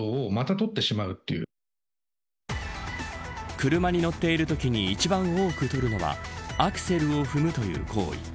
車に乗っているときに一番多く取るのはアクセルを踏むという行為。